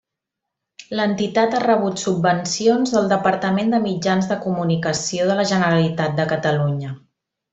L'entitat ha rebut subvencions del Departament de Mitjans de Comunicació de la Generalitat de Catalunya.